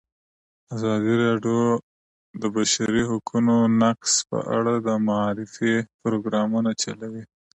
ازادي راډیو د د بشري حقونو نقض په اړه د معارفې پروګرامونه چلولي.